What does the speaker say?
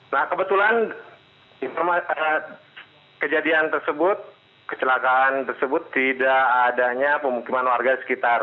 nah kebetulan informasi kejadian tersebut kecelakaan tersebut tidak adanya pemukiman warga sekitar